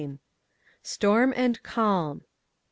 STORM AND CALM.